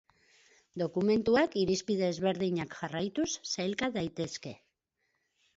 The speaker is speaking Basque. Dokumentuak irizpide ezberdinak jarraituz sailka daitezke.